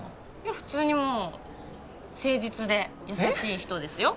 もう普通にもう誠実で優しい人ですよ